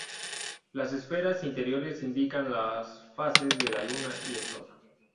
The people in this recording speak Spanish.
Las esferas interiores indican las fases de la luna y el sol.